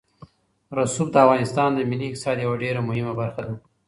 رسوب د افغانستان د ملي اقتصاد یوه ډېره مهمه برخه ده.